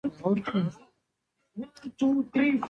دا مېتود علم ژور او دقیق کوي.